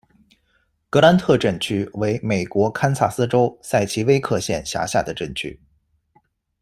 格兰特镇区为美国堪萨斯州塞奇威克县辖下的镇区。